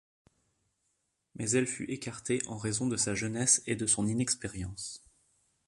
Mais elle fut écartée en raison de sa jeunesse et de son inexpérience.